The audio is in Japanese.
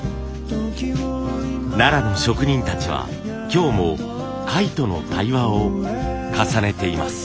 奈良の職人たちは今日も貝との対話を重ねています。